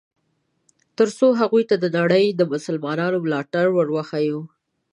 ترڅو هغوی ته د نړۍ د مسلمانانو ملاتړ ور وښیي.